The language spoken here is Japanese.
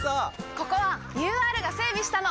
ここはＵＲが整備したの！